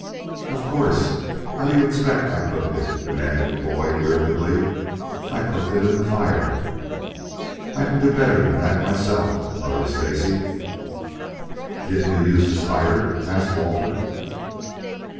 "Of course. How do you expect I cooked it?" demanded the boy irritably. "I cooked it in the fire." "I could do better'n that myself," muttered Stacy. "Didn't you use the spider?" asked Walter.